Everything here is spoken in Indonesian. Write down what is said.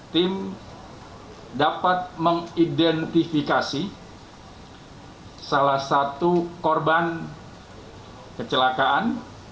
tim dapat mengidentifikasi salah satu korban kecelakaan